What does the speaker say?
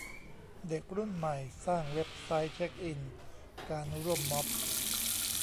เด็กรุ่นใหม่สร้างเว็บไซต์เช็คอินการร่วมม็อบ